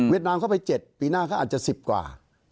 นามเข้าไป๗ปีหน้าเขาอาจจะ๑๐กว่า